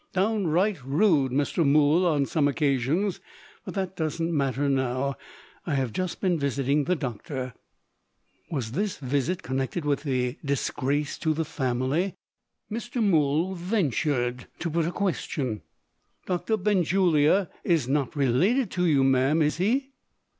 "Downright rude, Mr. Mool, on some occasions. But that doesn't matter now. I have just been visiting the doctor." Was this visit connected with the "disgrace to the family?" Mr. Mool ventured to put a question. "Doctor Benjulia is not related to you, ma'am is he?"